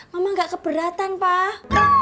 mama gak keberatan pak